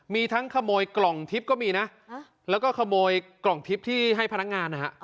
มีทั้งขโมยกล่องทิพย์ก็มีนะแล้วก็ขโมยกล่องทิพย์ที่ให้พนักงานนะฮะ